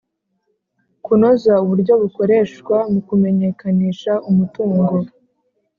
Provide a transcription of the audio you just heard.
Kunoza uburyo bukoreshwa mu kumenyekanisha umutungo